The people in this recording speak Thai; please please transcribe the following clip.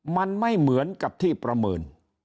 มันไม่เหมือนกับที่ประเมิน